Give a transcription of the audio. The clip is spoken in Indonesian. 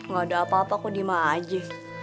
gak ada apa apa kok diem aja